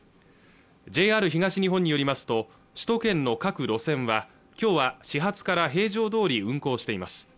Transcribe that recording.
ＪＲ東日本によりますと首都圏の各路線はきょうは始発から平常どおり運行しています